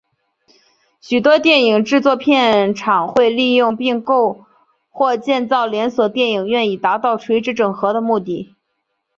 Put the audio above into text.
许多电影制片厂会利用并购或建造连锁电影院以达到垂直整合的目的。